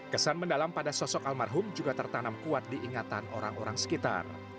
kesan mendalam pada sosok almarhum juga tertanam kuat diingatan orang orang sekitar